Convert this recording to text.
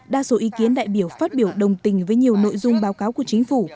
đa số ý kiến đại biểu phát biểu đồng tình với nhiều nội dung báo cáo của chính phủ